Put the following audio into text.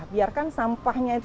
disinilah ia memulainya